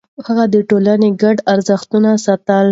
هغه د ټولنې ګډ ارزښتونه ساتل.